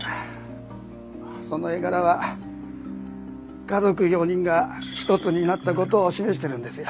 その絵柄は家族４人がひとつになった事を示してるんですよ。